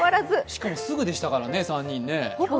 しかもすぐでしたからね、３人ね。